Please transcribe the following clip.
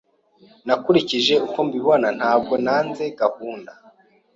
Nkurikije uko mbibona, ntabwo nanze gahunda.